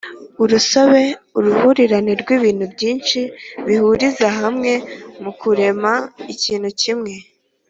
urusobe: uruhurirane rw’ibintu byinshi bihuriza hamwe mu kurema ikintu kimwe